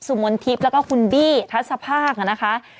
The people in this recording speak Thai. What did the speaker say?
มนทิพย์แล้วก็คุณบี้ทัศภาคนะคะ